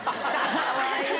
かわいい！